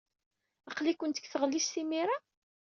Aql-ikent deg tɣellist imir-a.